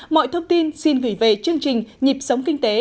mọi thông tin xin gửi về chương trình nhịp sống kinh tế